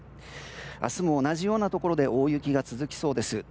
明日も同じようなところで大雪が続きそうです。